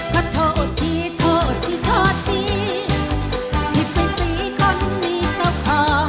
ขอโชคดีครับ